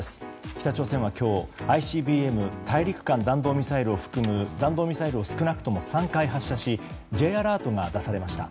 北朝鮮は今日、ＩＣＢＭ・大陸間弾道ミサイルを含む弾道ミサイルを少なくとも３回発射しＪアラートが出されました。